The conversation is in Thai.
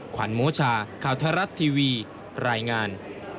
ขวัญโมชาข่าวไทยรัฐทีวีรายงาน